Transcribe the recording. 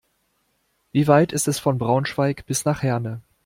Wie weit ist es von Braunschweig bis nach Herne?